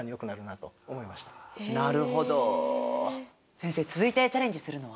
先生続いてチャレンジするのは？